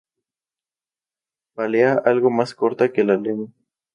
Pálea algo más corta que la lema.